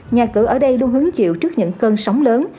nhà cửa ở đây luôn hứng chịu trước những cơn sóng lớn